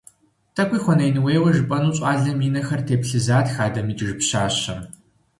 ТӀэкӀуи хуэней-нейуэ жыпӀэну щӏалэм и нэхэр теплъызат хадэм икӀыж пщащэм.